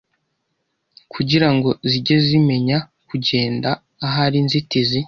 kugira ngo zijye zimenya kugenda ahari inzitizi.